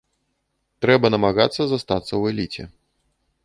Трэба намагацца застацца ў эліце.